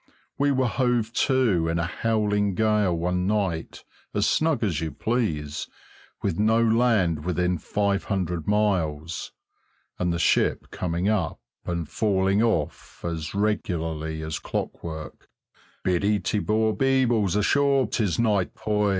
We were hove to in a howling gale one night, as snug as you please, with no land within five hundred miles, and the ship coming up and falling off as regularly as clockwork "Biddy te boor beebles ashore tis night, poys!"